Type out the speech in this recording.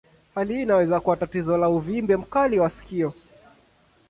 Hali hii inaweza kuwa tatizo la uvimbe mkali wa sikio.